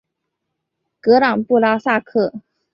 格朗布拉萨克。